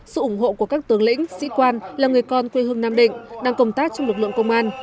sự ủng hộ của các tướng lĩnh sĩ quan là người con quê hương nam định đang công tác trong lực lượng công an